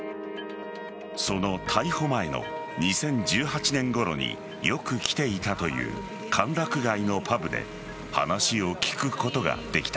その逮捕前の２０１８年ごろによく来ていたという歓楽街のパブで話を聞くことができた。